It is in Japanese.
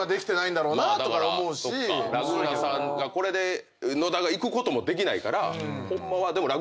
ラグーナさんがこれで野田がいくこともできないから。